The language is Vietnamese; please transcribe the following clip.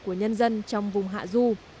của nhân dân trong vùng hạ du